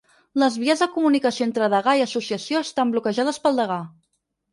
Les vies de comunicació entre degà i associació estan bloquejades pel degà